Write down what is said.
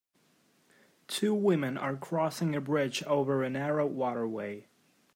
Two women are crossing a bridge over a narrow waterway.